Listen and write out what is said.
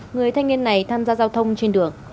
người thanh niên này tham gia giao thông trên đường